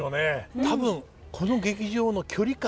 多分この劇場の距離感。